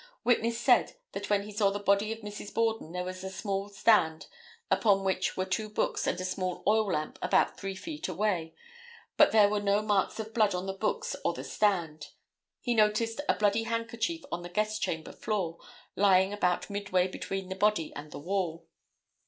Witness said that when he saw the body of Mrs. Borden, there was a small stand upon which were two books and a small oil lamp about three feet away, but there were no marks of blood on the books or the stand. He noticed a bloody handkerchief on the guest chamber floor, lying about midway between the body and the wall.